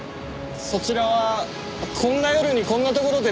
そちらはこんな夜にこんな所で何を？